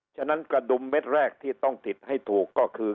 ฉะนั้นกระดุมเม็ดแรกที่ต้องติดให้ถูกก็คือ